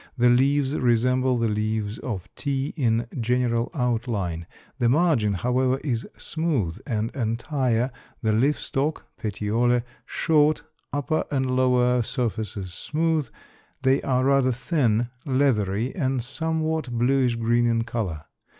The leaves resemble the leaves of tea in general outline. The margin, however, is smooth and entire, the leaf stock (petiole) short; upper and lower surfaces smooth; they are rather thin, leathery, and somewhat bluish green in color.